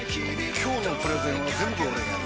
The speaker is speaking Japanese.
今日のプレゼンは全部俺がやる！